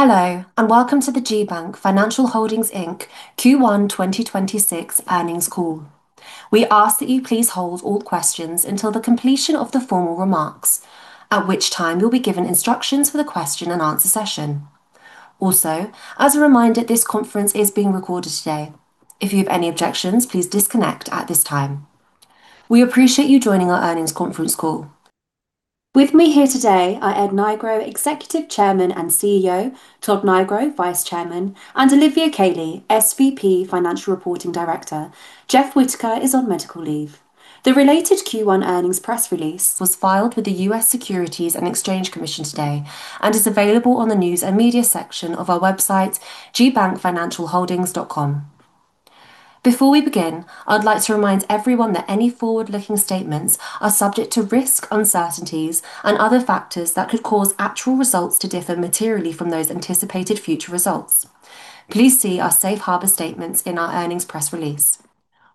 Hello, and welcome to the GBank Financial Holdings Inc. Q1 2026 earnings call. We ask that you please hold all questions until the completion of the formal remarks, at which time you'll be given instructions for the question and answer session. Also, as a reminder, this conference is being recorded today. If you have any objections, please disconnect at this time. We appreciate you joining our earnings conference call. With me here today are Ed Nigro, Executive Chairman and CEO, Todd Nigro, Executive Vice-Chairman, and Olivia Caley, SVP, Financial Reporting Director. Jeff Whitaker is on medical leave. The related Q1 earnings press release was filed with the U.S. Securities and Exchange Commission today and is available on the news and media section of our website, gbankfinancialholdings.com. Before we begin, I'd like to remind everyone that any forward-looking statements are subject to risk uncertainties and other factors that could cause actual results to differ materially from those anticipated future results. Please see our safe harbor statements in our earnings press release.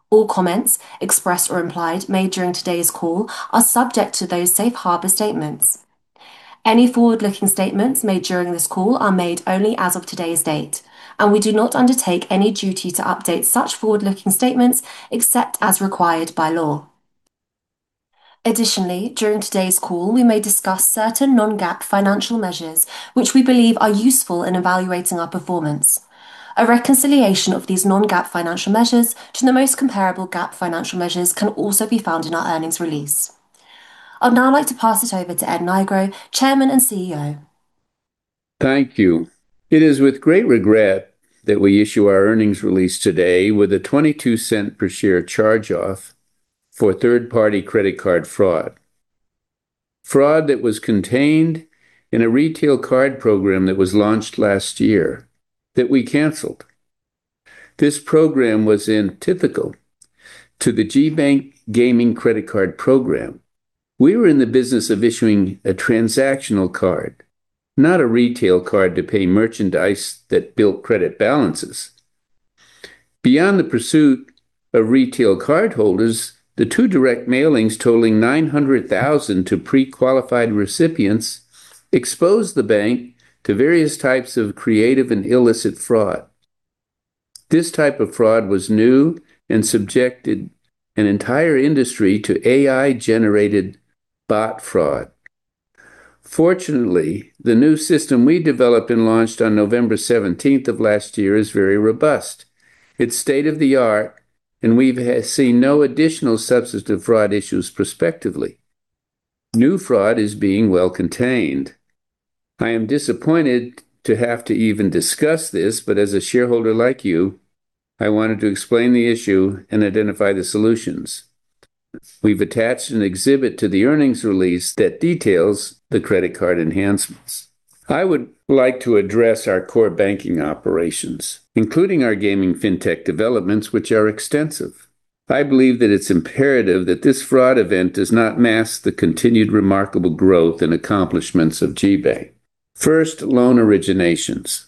All comments expressed or implied made during today's call are subject to those safe harbor statements. Any forward-looking statements made during this call are made only as of today's date, and we do not undertake any duty to update such forward-looking statements except as required by law. Additionally, during today's call, we may discuss certain non-GAAP financial measures which we believe are useful in evaluating our performance. A reconciliation of these non-GAAP financial measures to the most comparable GAAP financial measures can also be found in our earnings release. I'd now like to pass it over to Ed Nigro, Chairman and CEO. Thank you. It is with great regret that we issue our earnings release today with a $0.22 per share charge-off for third-party credit card fraud. Fraud that was contained in a retail card program that was launched last year that we canceled. This program was in typical to the GBank gaming credit card program. We were in the business of issuing a transactional card, not a retail card to pay merchandise that built credit balances. Beyond the pursuit of retail cardholders, the two direct mailings totaling 900,000 to pre-qualified recipients exposed the bank to various types of creative and illicit fraud. This type of fraud was new and subjected an entire industry to AI-generated bot fraud. Fortunately, the new system we developed and launched on November 17th of last year is very robust. It's state-of-the-art, and we've seen no additional substantive fraud issues prospectively. New fraud is being well contained. I am disappointed to have to even discuss this, but as a shareholder like you, I wanted to explain the issue and identify the solutions. We've attached an exhibit to the earnings release that details the credit card enhancements. I would like to address our core banking operations, including our gaming fintech developments, which are extensive. I believe that it's imperative that this fraud event does not mask the continued remarkable growth and accomplishments of GBank. First, loan originations.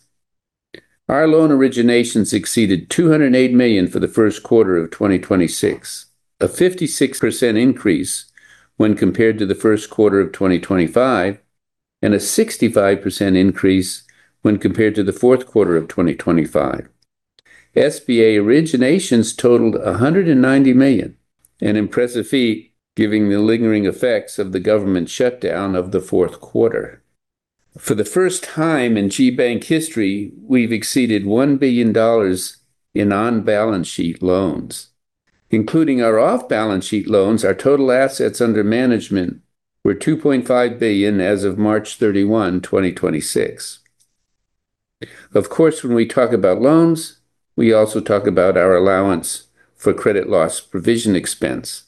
Our loan originations exceeded $208 million for the first quarter of 2026, a 56% increase when compared to the first quarter of 2025, and a 65% increase when compared to the fourth quarter of 2025. SBA originations totaled $190 million, an impressive feat given the lingering effects of the government shutdown of the fourth quarter. For the first time in GBank history, we've exceeded $1 billion in on-balance sheet loans. Including our off-balance sheet loans, our total assets under management were $2.5 billion as of March 31st, 2026. Of course, when we talk about loans, we also talk about our Allowance for Credit Loss provision expense,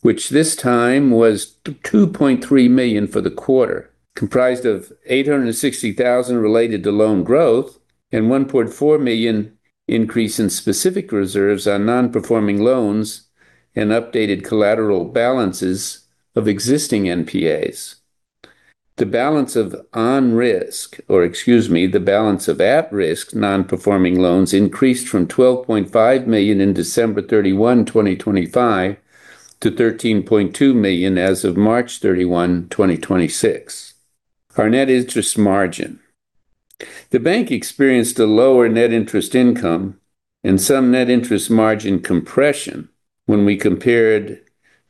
which this time was $2.3 million for the quarter, comprised of $860,000 related to loan growth and $1.4 million increase in specific reserves on non-performing loans and updated collateral balances of existing NPAs. The balance of at-risk non-performing loans increased from $12.5 million in December 31st, 2025 to $13.2 million as of March 31st, 2026. Our net interest margin. The bank experienced a lower net interest income and some net interest margin compression when we compared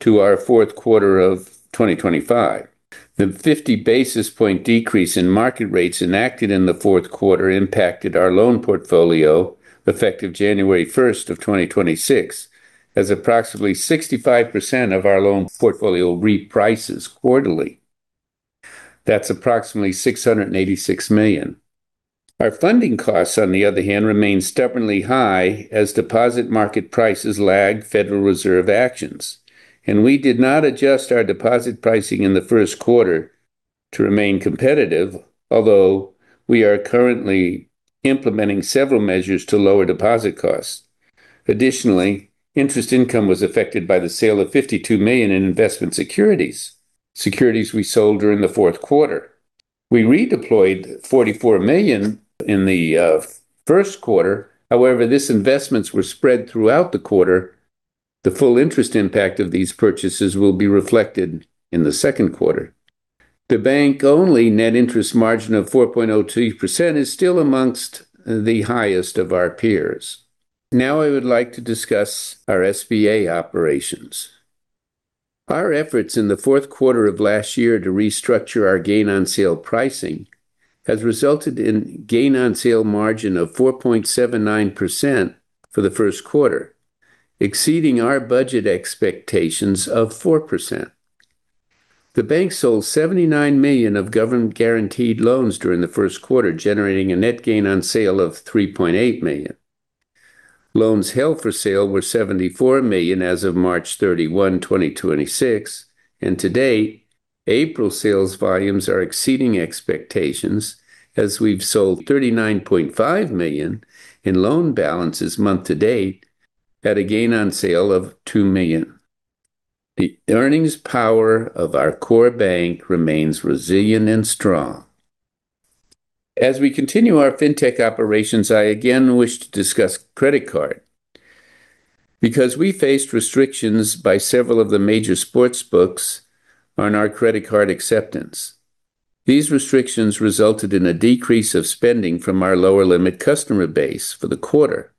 to our fourth quarter of 2025. The 50 basis point decrease in market rates enacted in the fourth quarter impacted our loan portfolio, effective January 1st, 2026, as approximately 65% of our loan portfolio reprices quarterly. That's approximately $686 million. Our funding costs, on the other hand, remain stubbornly high as deposit market prices lag Federal Reserve actions, and we did not adjust our deposit pricing in the first quarter to remain competitive, although we are currently implementing several measures to lower deposit costs. Additionally, interest income was affected by the sale of $52 million in investment securities we sold during the fourth quarter. We redeployed $44 million in the first quarter. However, these investments were spread throughout the quarter. The full interest impact of these purchases will be reflected in the second quarter. The bank-only net interest margin of 4.02% is still amongst the highest of our peers. Now I would like to discuss our SBA operations. Our efforts in the fourth quarter of last year to restructure our gain on sale pricing has resulted in gain on sale margin of 4.79% for the first quarter, exceeding our budget expectations of 4%. The bank sold $79 million of government-guaranteed loans during the first quarter, generating a net gain on sale of $3.8 million. Loans held for sale were $74 million as of March 31st, 2026, and to date, April sales volumes are exceeding expectations as we've sold $39.5 million in loan balances month to date at a gain on sale of $2 million. The earnings power of our core bank remains resilient and strong. As we continue our fintech operations, I again wish to discuss credit card. Because we faced restrictions by several of the major sportsbooks on our credit card acceptance, these restrictions resulted in a decrease of spending from our lower-limit customer base for the quarter.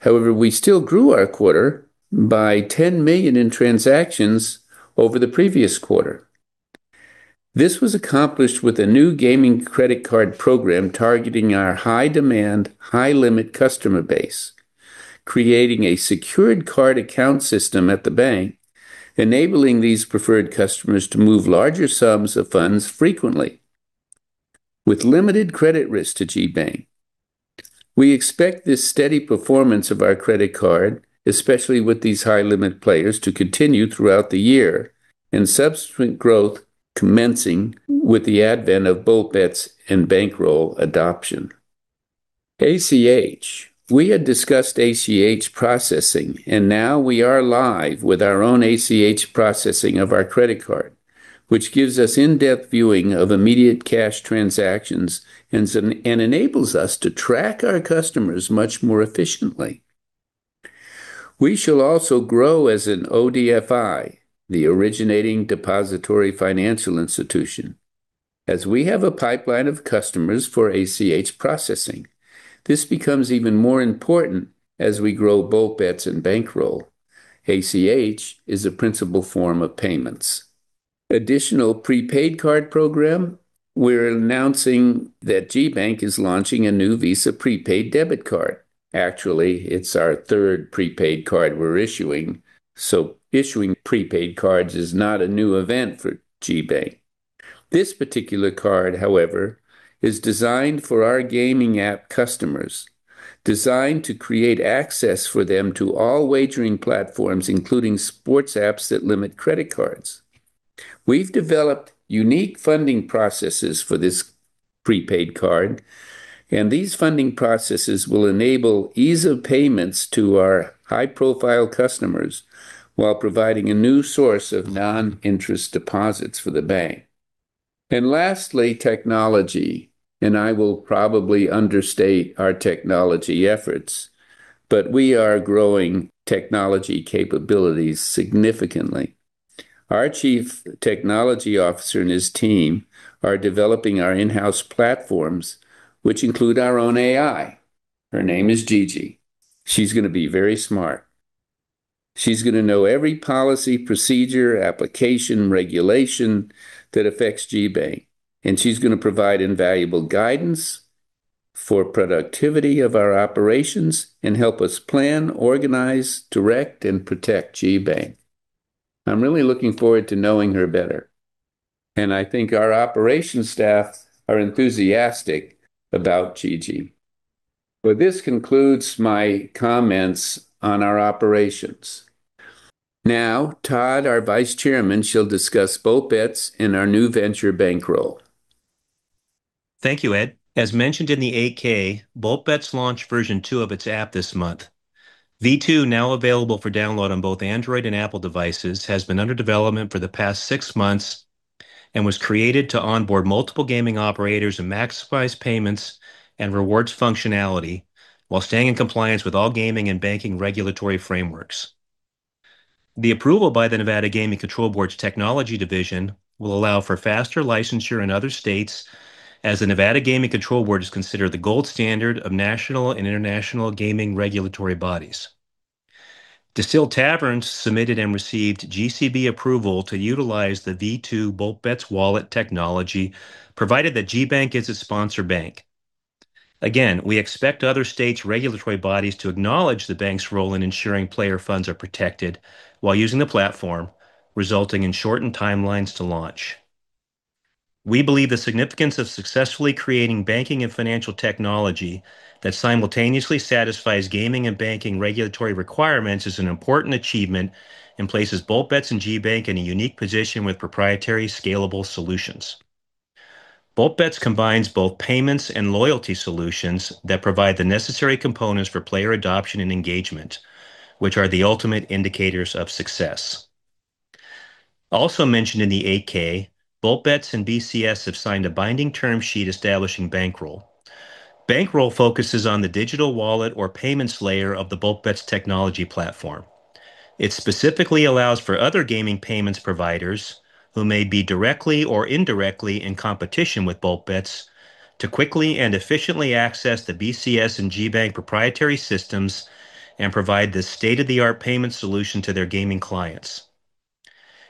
However, we still grew our quarter by 10 million in transactions over the previous quarter. This was accomplished with a new gaming credit card program targeting our high-demand, high-limit customer base, creating a secured card account system at the bank, enabling these preferred customers to move larger sums of funds frequently with limited credit risk to GBank. We expect this steady performance of our credit card, especially with these high-limit players, to continue throughout the year and subsequent growth commencing with the advent of Bold Bets and Bankroll adoption. ACH. We had discussed ACH processing, and now we are live with our own ACH processing of our credit card, which gives us in-depth viewing of immediate cash transactions and enables us to track our customers much more efficiently. We shall also grow as an ODFI, the originating depository financial institution, as we have a pipeline of customers for ACH processing. This becomes even more important as we grow Bold Bets and Bankroll. ACH is a principal form of payments. Additional prepaid card program. We're announcing that GBank is launching a new Visa prepaid debit card. Actually, it's our third prepaid card we're issuing, so issuing prepaid cards is not a new event for GBank. This particular card, however, is designed for our gaming app customers, designed to create access for them to all wagering platforms, including sports apps that limit credit cards. We've developed unique funding processes for this prepaid card, and these funding processes will enable ease of payments to our high-profile customers while providing a new source of non-interest deposits for the bank. Lastly, technology, and I will probably understate our technology efforts, but we are growing technology capabilities significantly. Our chief technology officer and his team are developing our in-house platforms, which include our own AI. Her name is Gigi. She's gonna be very smart. She's gonna know every policy, procedure, application, regulation that affects GBank, and she's gonna provide invaluable guidance for productivity of our operations and help us plan, organize, direct, and protect GBank. I'm really looking forward to knowing her better, and I think our operations staff are enthusiastic about Gigi. Well, this concludes my comments on our operations. Now, Todd, our Vice-Chairman, shall discuss Bold Bets and our new venture Bankroll. Thank you, Ed. As mentioned in the 8-K, Bold Bets launched version two of its app this month. V2, now available for download on both Android and Apple devices, has been under development for the past six months and was created to onboard multiple gaming operators and maximize payments and rewards functionality while staying in compliance with all gaming and banking regulatory frameworks. The approval by the Nevada Gaming Control Board's technology division will allow for faster licensure in other states as the Nevada Gaming Control Board is considered the gold standard of national and international gaming regulatory bodies. Distill Taverns submitted and received GCB approval to utilize the V2 Bold Bets wallet technology provided that GBank is its sponsor bank. Again, we expect other states' regulatory bodies to acknowledge the bank's role in ensuring player funds are protected while using the platform, resulting in shortened timelines to launch. We believe the significance of successfully creating banking and financial technology that simultaneously satisfies gaming and banking regulatory requirements is an important achievement and places Bold Bets and GBank in a unique position with proprietary scalable solutions. Bold Bets combines both payments and loyalty solutions that provide the necessary components for player adoption and engagement, which are the ultimate indicators of success. Also mentioned in the 8-K, Bold Bets and BCS have signed a binding term sheet establishing Bankroll. Bankroll focuses on the digital wallet or payments layer of the Bold Bets technology platform. It specifically allows for other gaming payments providers who may be directly or indirectly in competition with Bold Bets to quickly and efficiently access the BCS and GBank proprietary systems and provide the state-of-the-art payment solution to their gaming clients.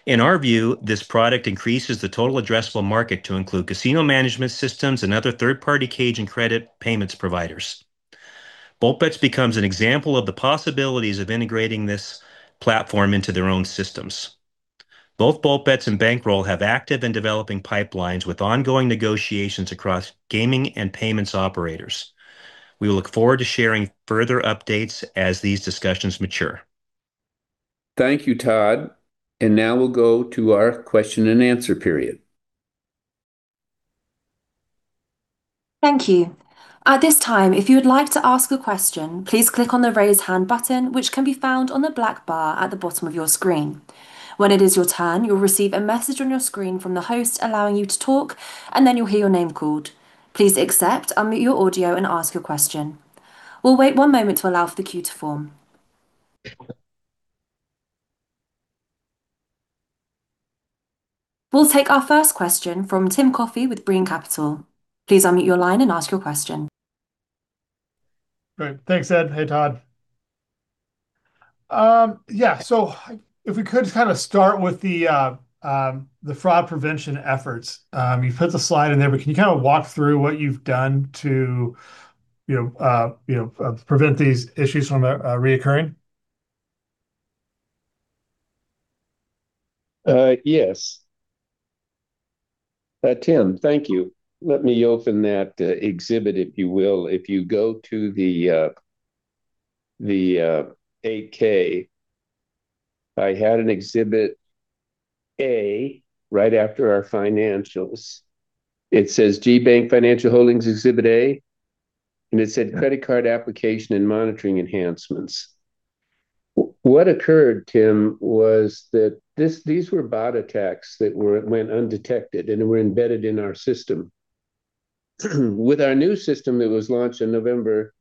In our view, this product increases the total addressable market to include casino management systems and other third-party cage and credit payments providers. Bold Bets becomes an example of the possibilities of integrating this platform into their own systems. Both Bold Bets and Bankroll have active and developing pipelines with ongoing negotiations across gaming and payments operators. We look forward to sharing further updates as these discussions mature. Thank you, Todd. Now we'll go to our question and answer period. Thank you. At this time, if you would like to ask a question, please click on the Raise Hand button, which can be found on the black bar at the bottom of your screen. When it is your turn, you'll receive a message on your screen from the host allowing you to talk, and then you'll hear your name called. Please accept, unmute your audio, and ask your question. We'll wait 1 moment to allow for the queue to form. We'll take our first question from Timothy Coffey with Brean Capital. Please unmute your line and ask your question. Great. Thanks, Ed. Hey, Todd. Yeah, if we could kind of start with the fraud prevention efforts. You put the slide in there, can you kind of walk through what you've done to, you know, you know, prevent these issues from reoccurring? Yes. Tim, thank you. Let me open that exhibit, if you will. If you go to the 8-K, I had an exhibit A right after our financials. It says GBank Financial Holdings exhibit A, and it said credit card application and monitoring enhancements. What occurred, Tim, was that these were bot attacks that went undetected and were embedded in our system. With our new system that was launched in November,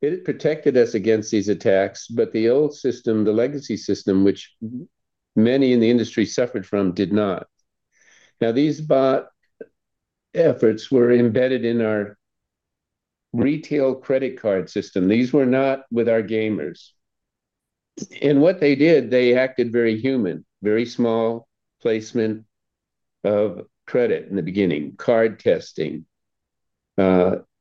it had protected us against these attacks, but the old system, the legacy system, which many in the industry suffered from, did not. Now, these bot efforts were embedded in our retail credit card system. These were not with our gamers. What they did, they acted very human, very small placement of credit in the beginning, card testing.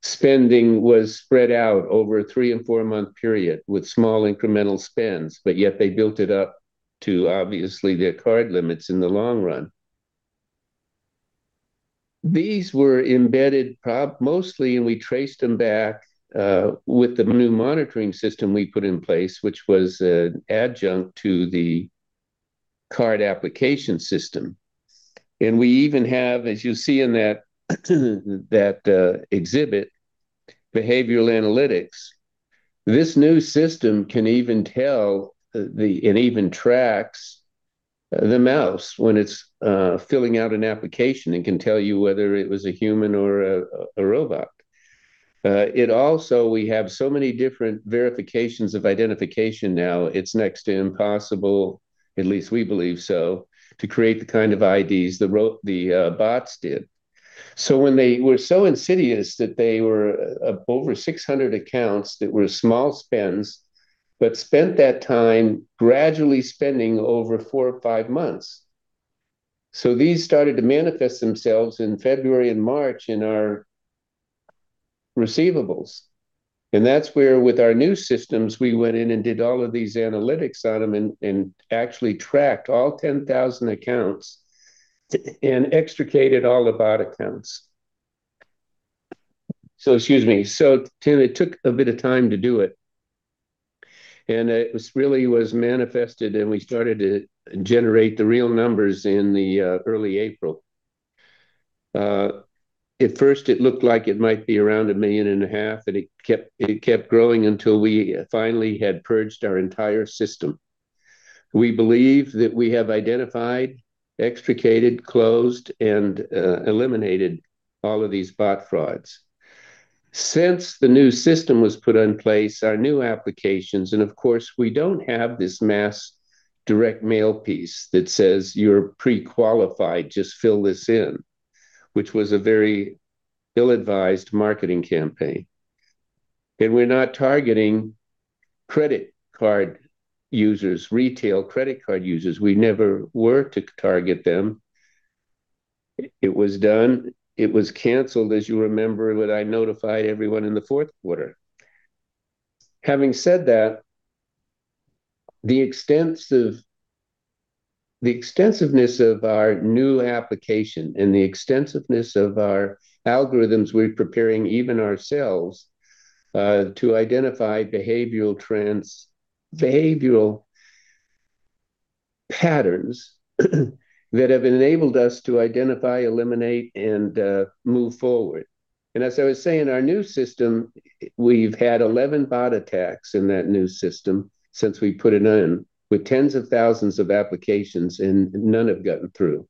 Spending was spread out over a three- and four-month period with small incremental spends, but yet they built it up to obviously their card limits in the long run. These were embedded mostly, and we traced them back with the new monitoring system we put in place, which was an adjunct to the card application system. We even have, as you see in that exhibit, behavioral analytics. This new system can even tell, it even tracks the mouse when it's filling out an application and can tell you whether it was a human or a robot. We have so many different verifications of identification now, it's next to impossible, at least we believe so, to create the kind of IDs the bots did. When they were so insidious that they were, over 600 accounts that were small spends, but spent that time gradually spending over four or five months. These started to manifest themselves in February and March in our receivables. That's where with our new systems, we went in and did all of these analytics on them and, actually tracked all 10,000 accounts and extricated all the bot accounts. Excuse me. Tim, it took a bit of time to do it, and it really was manifested, and we started to generate the real numbers in the early April. At first it looked like it might be around a million and a half USD, and it kept growing until we finally had purged our entire system. We believe that we have identified, extricated, closed, and eliminated all of these bot frauds. Since the new system was put in place, our new applications, of course, we don't have this mass direct mail piece that says, "You're pre-qualified, just fill this in," which was a very ill-advised marketing campaign. We're not targeting credit card users, retail credit card users. We never were to target them. It was canceled, as you remember, when I notified everyone in the fourth quarter. Having said that, the extensiveness of our new application and the extensiveness of our algorithms, we're preparing even ourselves to identify behavioral patterns that have enabled us to identify, eliminate, and move forward. As I was saying, our new system, we've had 11 bot attacks in that new system since we put it in, with tens of thousands of applications, and none have gotten through.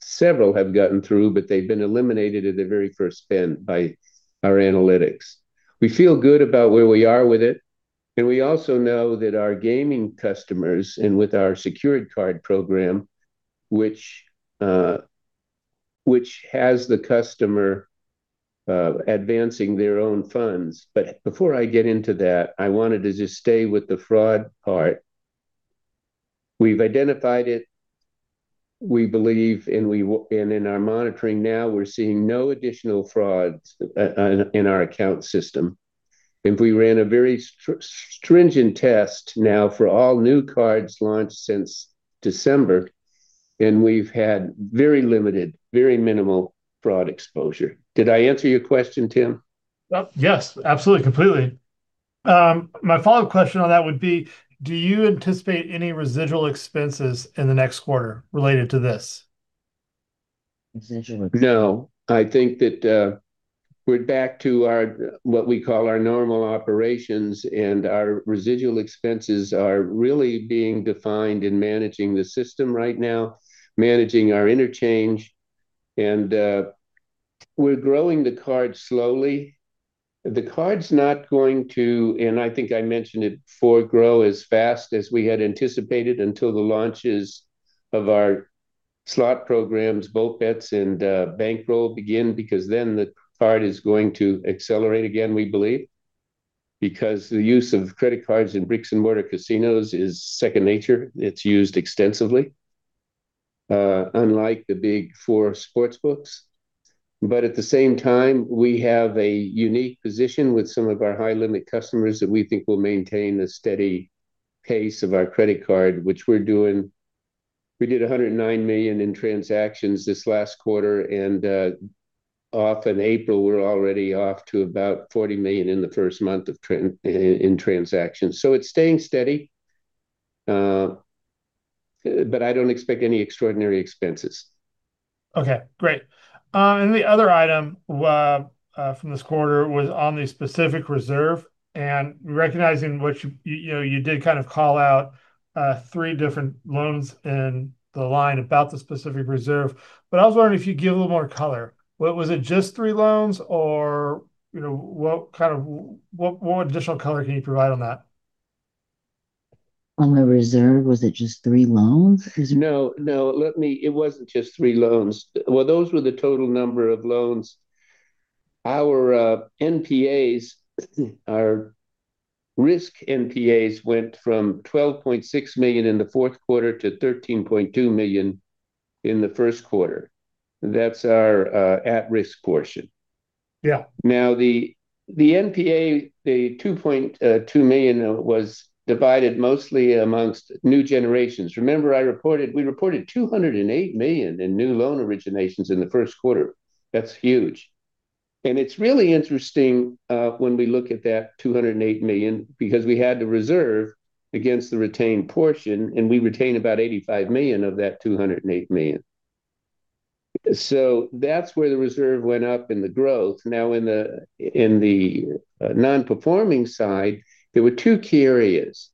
Several have gotten through, but they've been eliminated at the very first spin by our analytics. We feel good about where we are with it, and we also know that our gaming customers, and with our secured card program, which has the customer advancing their own funds. Before I get into that, I wanted to just stay with the fraud part. We've identified it, we believe, and in our monitoring now, we're seeing no additional frauds in our account system. We ran a very stringent test now for all new cards launched since December, and we've had very limited, very minimal fraud exposure. Did I answer your question, Tim? Well, yes, absolutely, completely. My follow-up question on that would be, do you anticipate any residual expenses in the next quarter related to this? No. I think that we're back to our, what we call our normal operations, and our residual expenses are really being defined in managing the system right now, managing our interchange. We're growing the card slowly. The card's not going to, and I think I mentioned it before, grow as fast as we had anticipated until the launches of our slot programs, Bold Bets and Bankroll begin because then the card is going to accelerate again, we believe. Because the use of credit cards in bricks-and-mortar casinos is second nature. It's used extensively, unlike the big four sports books. At the same time, we have a unique position with some of our high-limit customers that we think will maintain the steady pace of our credit card, which we're doing. We did $109 million in transactions this last quarter, and off in April we're already off to about $40 million in the first month of transactions. It's staying steady, but I don't expect any extraordinary expenses. Okay. Great. The other item from this quarter was on the specific reserve. Recognizing what you know, you did kind of call out, three different loans in the line about the specific reserve. I was wondering if you could give a little more color. Was it just three loans, or, you know, what additional color can you provide on that? On the reserve, was it just three loans? Is it? No, no. It wasn't just three loans. Well, those were the total number of loans. Our NPAs, our risk NPAs went from $12.6 million in the fourth quarter to $13.2 million in the first quarter. That's our at-risk portion. Yeah. Now, the NPA, the $2.2 million was divided mostly amongst new generations. Remember I reported, we reported $208 million in new loan originations in the first quarter. That's huge. It's really interesting when we look at that $208 million, because we had to reserve against the retained portion, and we retained about $85 million of that $208 million. That's where the reserve went up and the growth. In the non-performing side, there were two key areas.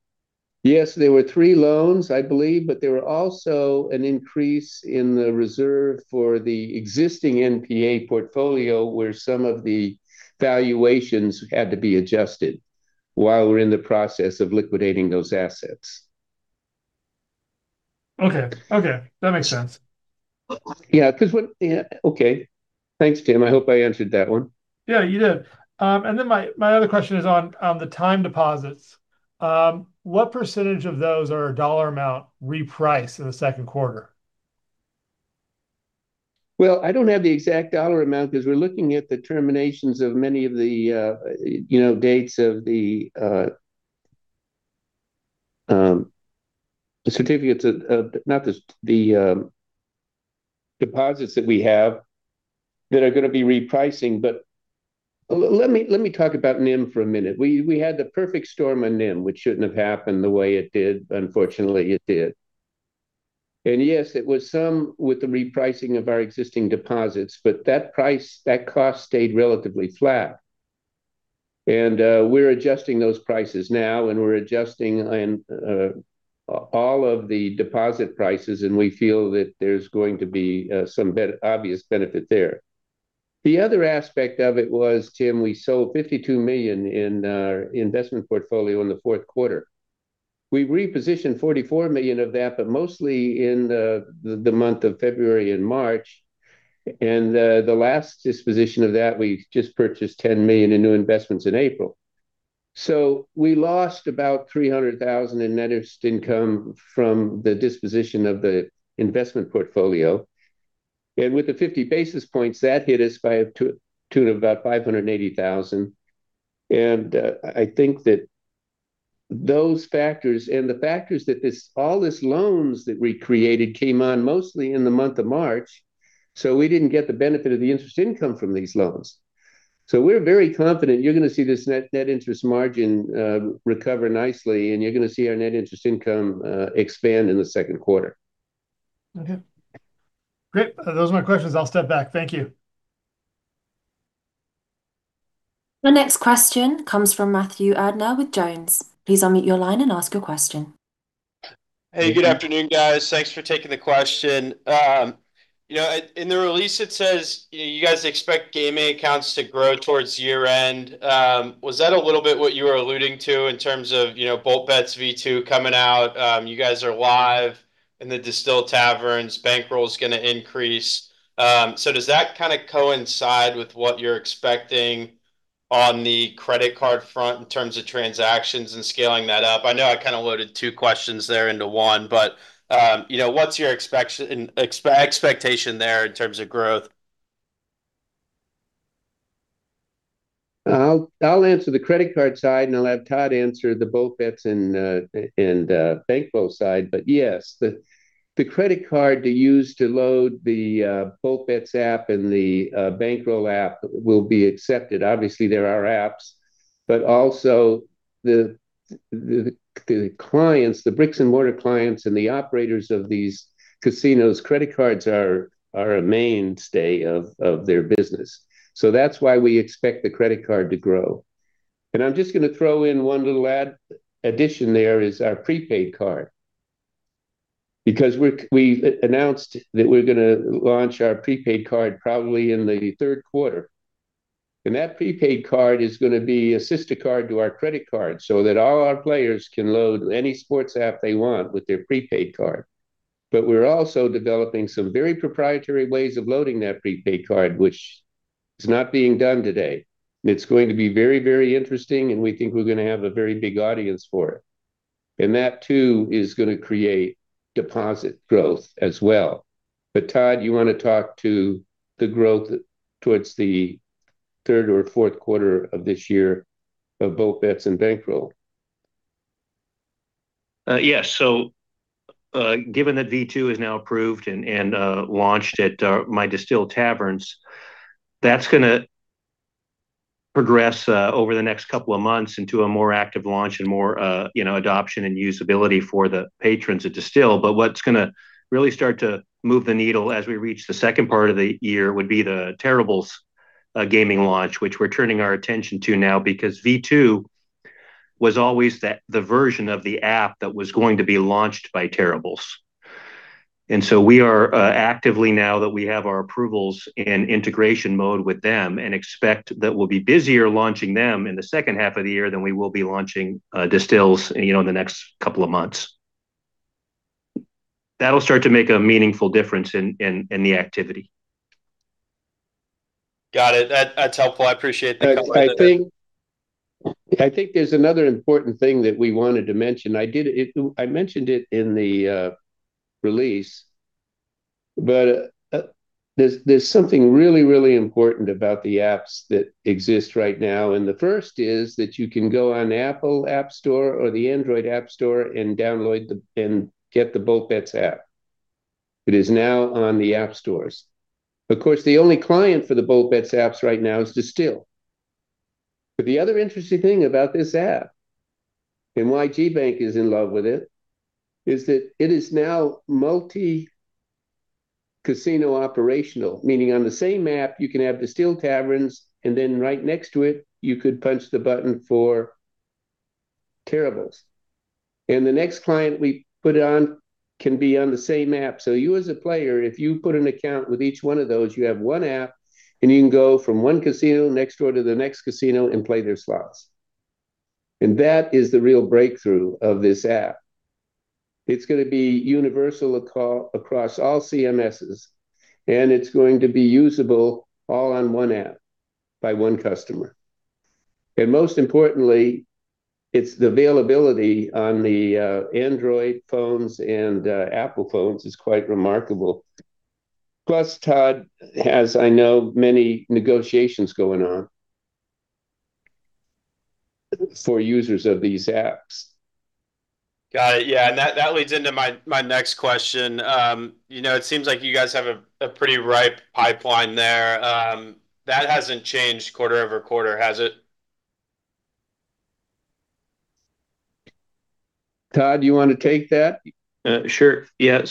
Yes, there were three loans, I believe, but there were also an increase in the reserve for the existing NPA portfolio where some of the valuations had to be adjusted while we're in the process of liquidating those assets. Okay. Okay. That makes sense. Yeah. Okay. Thanks, Tim. I hope I answered that one. Yeah, you did. My other question is on the time deposits. What percentage of those or dollar amount reprice in the second quarter? I don't have the exact dollar amount, because we're looking at the terminations of many of the, you know, dates of the certificates of deposits that we have that are gonna be repricing. Let me talk about NIM for a minute. We had the perfect storm on NIM, which shouldn't have happened the way it did. Unfortunately, it did. Yes, it was some with the repricing of our existing deposits, but that price, that cost stayed relatively flat. We're adjusting those prices now, and we're adjusting in all of the deposit prices, and we feel that there's going to be some obvious benefit there. The other aspect of it was, Tim, we sold $52 million in our investment portfolio in the fourth quarter. We repositioned $44 million of that, mostly in the month of February and March. The last disposition of that, we just purchased $10 million in new investments in April. We lost about $300,000 in net interest income from the disposition of the investment portfolio. With the 50 basis points, that hit us by a tune of about $580,000. I think that those factors, and the factors that all this loans that we created came on mostly in the month of March, we didn't get the benefit of the interest income from these loans. We're very confident you're gonna see this net interest margin recover nicely, and you're gonna see our net interest income expand in the second quarter. Okay. Great. Those are my questions. I'll step back. Thank you. The next question comes from Matthew Adner with Jones. Please unmute your line and ask your question. Hey, good afternoon, guys. Thanks for taking the question. You know, in the release it says, you know, you guys expect gaming accounts to grow towards year-end. Was that a little bit what you were alluding to in terms of, you know, Bold Bets V2 coming out? You guys are live in the Distill Taverns. Bankroll's gonna increase. Does that kinda coincide with what you're expecting on the credit card front in terms of transactions and scaling that up? I know I kinda loaded two questions there into one, but, you know, what's your expectation there in terms of growth? I'll answer the credit card side, and I'll have Todd answer the Bold Bets and Bankroll side. Yes, the credit card they use to load the Bold Bets app and the Bankroll app will be accepted. Obviously, there are apps, but also the clients, the bricks and mortar clients and the operators of these casinos, credit cards are a mainstay of their business. That's why we expect the credit card to grow. I'm just gonna throw in one little addition there, is our prepaid card. We've announced that we're gonna launch our prepaid card probably in the third quarter, that prepaid card is gonna be a sister card to our credit card so that all our players can load any sports app they want with their prepaid card. We're also developing some very proprietary ways of loading that prepaid card, which is not being done today. It's going to be very, very interesting, and we think we're gonna have a very big audience for it. That too is gonna create deposit growth as well. Todd, you wanna talk to the growth towards the third or fourth quarter of this year of Bold Bets and Bankroll? Yes. Given that V2 is now approved and, launched at, My Distill Taverns, that's gonna progress, over the next couple of months into a more active launch and more, you know, adoption and usability for the patrons at Distill. What's gonna really start to move the needle as we reach the second part of the year would be the Terrible's gaming launch, which we're turning our attention to now because V2 was always the version of the app that was going to be launched by Terrible's. We are, actively now that we have our approvals in integration mode with them and expect that we'll be busier launching them in the second half of the year than we will be launching, Distill's, you know, in the next couple of months. That'll start to make a meaningful difference in the activity. Got it. That's helpful. I appreciate that color. I think there's another important thing that we wanted to mention. I mentioned it in the release, but there's something really, really important about the apps that exist right now. The first is that you can go on Apple App Store or the Android App Store and download and get the Bold Bets app. It is now on the app stores. Of course, the only client for the Bold Bets apps right now is Distill. The other interesting thing about this app, and why GBank is in love with it, is that it is now multi-casino operational. Meaning on the same app you can have Distill Taverns, and then right next to it you could punch the button for Terrible's. The next client we put it on can be on the same app. You as a player, if you put an account with each one of those, you have one app, and you can go from one casino next door to the next casino and play their slots. That is the real breakthrough of this app. It's gonna be universal across all CMSs, and it's going to be usable all on one app by one customer. Most importantly, it's the availability on the Android phones and Apple phones is quite remarkable. Todd has, I know, many negotiations going on for users of these apps. Got it. Yeah. That leads into my next question. You know, it seems like you guys have a pretty ripe pipeline there. That hasn't changed quarter-over-quarter, has it? Todd, do you wanna take that? Sure. Yeah.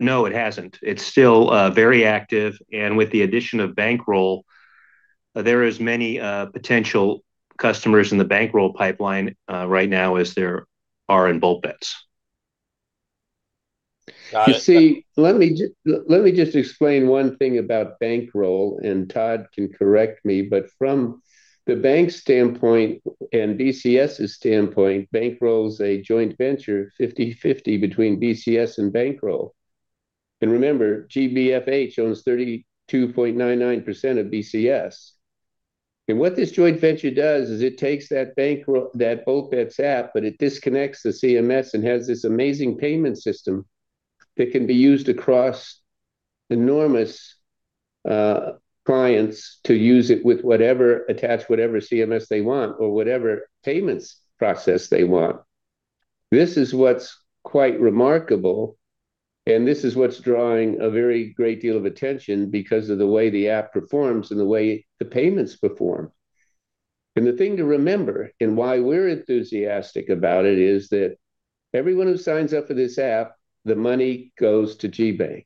No, it hasn't. It's still very active. With the addition of Bankroll, there is many potential customers in the Bankroll pipeline right now as there are in Bold Bets. Got it. You see, let me just explain one thing about Bankroll, and Todd can correct me. From the Bank's standpoint and BCS's standpoint, Bankroll is a joint venture 50/50 between BCS and Bankroll. Remember, GBFH owns 32.99% of BCS. What this joint venture does is it takes that Bankroll, that Bold Bets app, but it disconnects the CMS and has this amazing payment system that can be used across enormous clients to use it with whatever, attach whatever CMS they want or whatever payments process they want. This is what's quite remarkable, and this is what's drawing a very great deal of attention because of the way the app performs and the way the payments perform. The thing to remember, and why we're enthusiastic about it, is that everyone who signs up for this app, the money goes to GBank.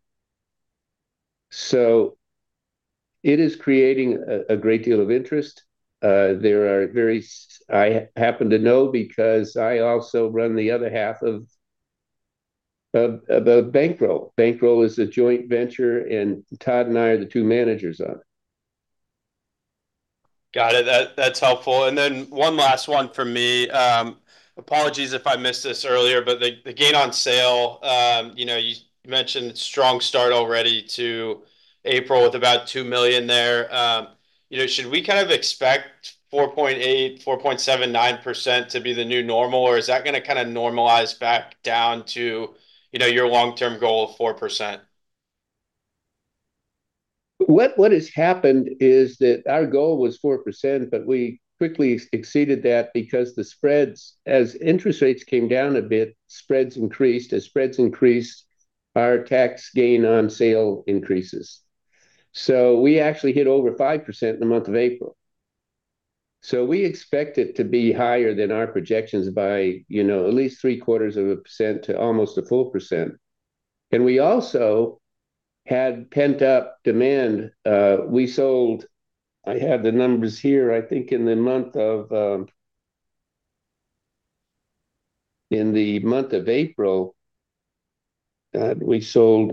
It is creating a great deal of interest. I happen to know because I also run the other half of Bankroll. Bankroll is a joint venture, Todd and I are the two managers of it. Got it. That's helpful. Then one last one from me. Apologies if I missed this earlier, the gain on sale, you know, you mentioned strong start already to April with about $2 million there. You know, should we kind of expect 4.8, 4.79% to be the new normal, or is that gonna kinda normalize back down to, you know, your long-term goal of 4%? What has happened is that our goal was 4%, but we quickly exceeded that because the spreads, as interest rates came down a bit, spreads increased. As spreads increased, our tax gain on sale increases. We actually hit over 5% in the month of April. We expect it to be higher than our projections by, you know, at least 0.75% to almost a 1%. We also had pent-up demand. I have the numbers here. I think in the month of April, we sold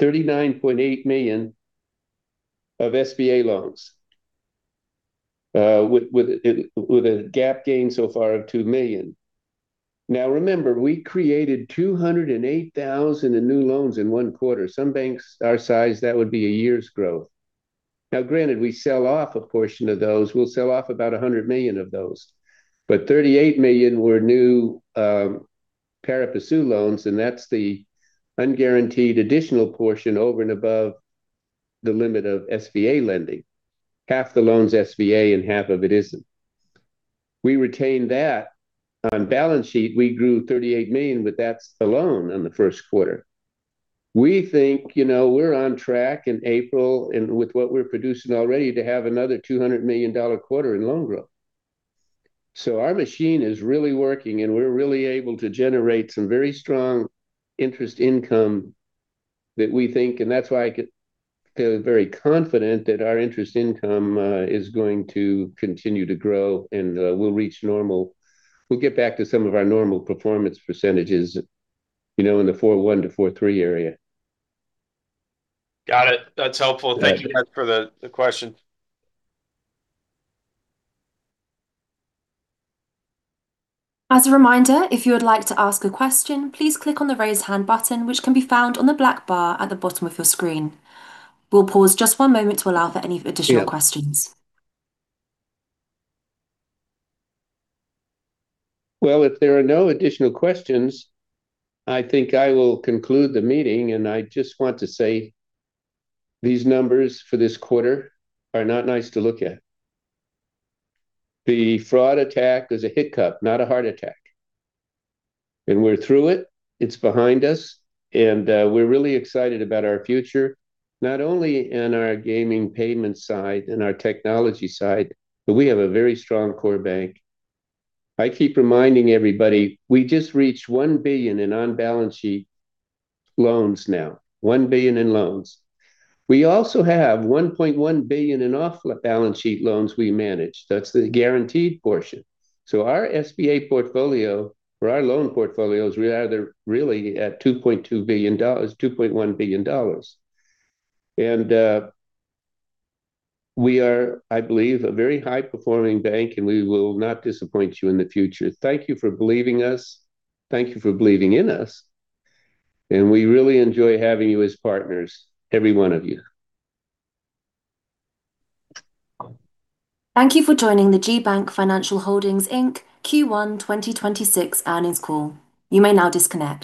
$39.8 million of SBA loans, with a GAAP gain so far of $2 million. Now remember, we created $208,000 in new loans in one quarter. Some banks our size, that would be a year's growth. Now granted, we sell off a portion of those. We'll sell off about $100 million of those. $38 million were new pari passu loans, and that's the unguaranteed additional portion over and above the limit of SBA lending. Half the loan's SBA and half of it isn't. We retain that. On balance sheet, we grew $38 million, but that's the loan in the first quarter. We think, you know, we're on track in April and with what we're producing already to have another $200 million quarter in loan growth. Our machine is really working, and we're really able to generate some very strong interest income. That's why I feel very confident that our interest income is going to continue to grow and we'll reach normal, we'll get back to some of our normal performance percentages, you know, in the 4.1%-4.3% area. Got it. That's helpful. Yeah. Thank you for the question. As a reminder, if you would like to ask a question, please click on the Raise Hand button, which can be found on the black bar at the bottom of your screen. We will pause just one moment to allow for any additional questions. Well, if there are no additional questions, I think I will conclude the meeting, and I just want to say these numbers for this quarter are not nice to look at. The fraud attack is a hiccup, not a heart attack, and we're through it's behind us, and we're really excited about our future, not only in our gaming payment side and our technology side, but we have a very strong core bank. I keep reminding everybody, we just reached $1 billion in on-balance sheet loans now. $1 billion in loans. We also have $1.1 billion in off-balance sheet loans we manage. That's the guaranteed portion. Our SBA portfolio or our loan portfolio is rather really at $2.2 billion, $2.1 billion. We are, I believe, a very high-performing bank, and we will not disappoint you in the future. Thank you for believing us. Thank you for believing in us. We really enjoy having you as partners, every one of you. Thank you for joining the GBank Financial Holdings Inc. Q1 2026 earnings call. You may now disconnect.